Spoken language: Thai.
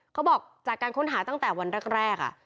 เขาบอกจากการค้นหาตั้งแต่วันแรก